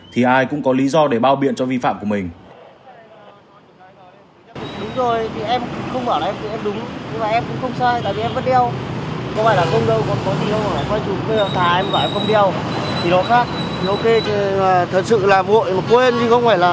thì ai cũng có lý do để bao biện cho vi phạm của mình